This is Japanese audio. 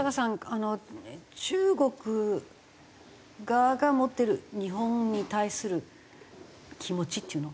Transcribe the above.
あの中国側が持ってる日本に対する気持ちっていうの？